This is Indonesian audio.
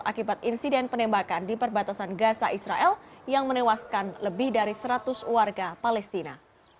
akibat insiden penembakan di perbatasan gaza israel yang menewaskan lebih dari seratus warga palestina